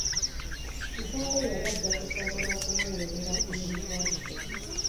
Kitaawe yali ajja kusobola okumuweerera ku yunivaasite.